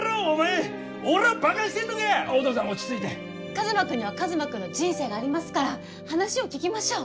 カズマ君にはカズマ君の人生がありますから話を聞きましょう。